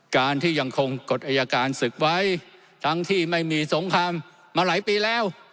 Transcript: การที่ยังคงกฎอายการศึกไว้ทั้งที่ไม่มีสงครามมาหลายปีแล้ว